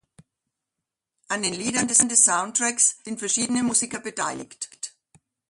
An den Liedern des Soundtracks sind verschiedene Musiker beteiligt.